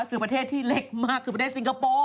คือประเทศที่เล็กมากคือประเทศสิงคโปร์